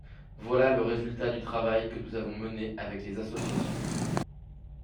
Voilà le résultat du travail que nous avons mené avec les associations.